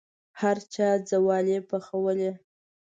هر چا ځوالې پخولې.